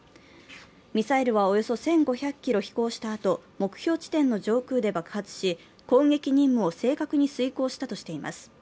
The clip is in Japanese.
ミサイルはおよそ１５００ｋｍ飛行したあと、目標地点の上空で爆発し攻撃任務を正確に遂行したとしています。